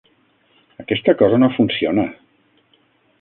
Aquesta cosa no funciona!